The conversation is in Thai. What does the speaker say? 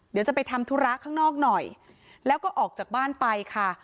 เดี๋ยวจะไปทำธุระข้างนอกหน่อยแล้วก็ออกจากบ้านไปค่ะ